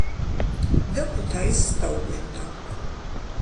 და ქუთაისს დაუბრუნდა.